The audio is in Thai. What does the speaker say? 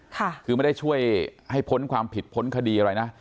คือไม่ได้ช่วยให้พ้นความผิดพ้นคดีอะไรนะ